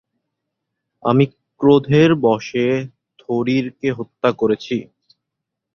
আমি ক্রোধের বশে থরিরকে হত্যা করেছি।